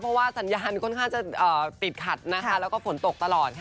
เพราะว่าสัญญาก็ติดขัดและผลตกตลอด